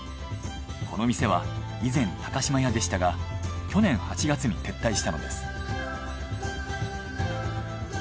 この店は以前島屋でしたが去年８月に撤退したのです。